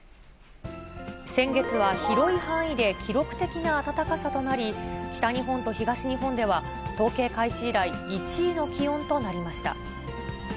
先月は広い範囲で記録的な暖かさとなり、北日本と東日本では統計開始以来１位の気温となりました。